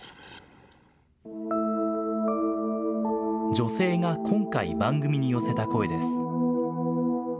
女性が今回番組に寄せた声です。